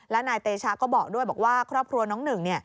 และนายเตชะก็บอกด้วยบอกว่าครอบครัวน้องหนึ่ง